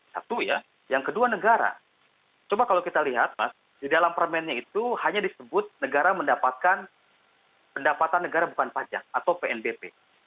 satu ya yang kedua negara coba kalau kita lihat mas di dalam permennya itu hanya disebut negara mendapatkan pendapatan negara bukan pajak atau pnbp